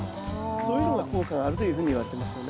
そういうのが効果があるというふうにいわれてますよね。